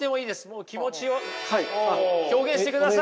もう気持ちを表現してください。